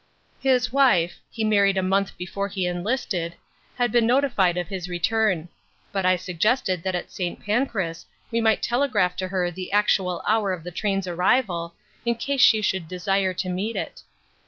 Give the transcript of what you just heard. His wife he married a month before he enlisted had been notified of his return; but I suggested that at St. Pancras we might telegraph to her the actual hour of the train's arrival, in case she should desire to meet it.